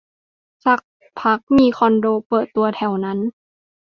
สักพักมีคอนโดเปิดตัวแถวนั้น